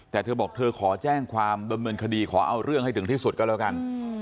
แต่เธอบอกเธอขอแจ้งความบำเนินคดีขอเอาเรื่องให้ถึงที่สุดก็แล้วกัน